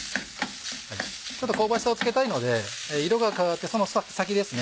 ちょっと香ばしさをつけたいので色が変わってその先ですね